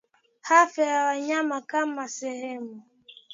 afya ya wanyama kama sehemu